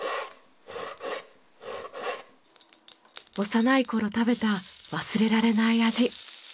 幼い頃食べた忘れられない味。